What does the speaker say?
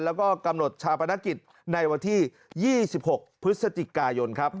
แล้วก็กำหนดชาปนกิจในวันที่๒๖พฤศจิกายนครับ